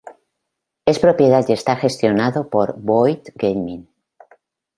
Es propiedad y está gestionado por Boyd Gaming.